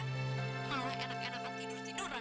kalau enak enakan tidur tiduran